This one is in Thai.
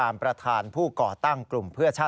เป็นประธานที่ผู้จัดตั้งเฉยกันค่ะ